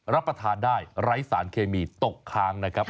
รับประทานได้ไร้สารเคมีตกค้างนะครับ